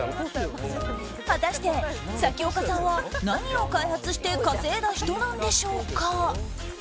果たして咲丘さんは何を開発して稼いだ人なんでしょうか。